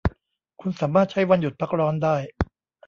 คุณสามารถใช้วันหยุดพักร้อนได้